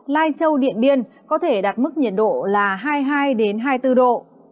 lai châu điện biên có thể đạt mức nhiệt độ là hai mươi hai hai mươi bốn độ